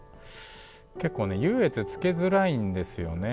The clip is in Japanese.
結構ね優劣つけづらいんですよね。